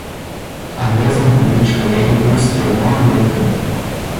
A mesma política e a indústria não aguentam.